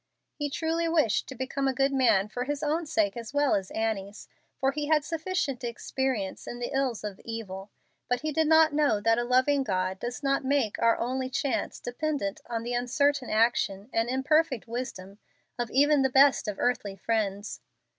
He truly wished to become a good man for his own sake as well as Annie's, for he had sufficient experience in the ills of evil; but he did not know that a loving God does not make our only chance dependent on the uncertain action and imperfect wisdom of even the best of earthly friends.